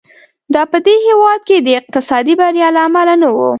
دا په دې هېواد کې د اقتصادي بریا له امله نه و.